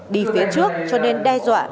đi phía trước cho nên đe dọa